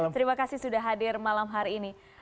terima kasih sudah hadir malam hari ini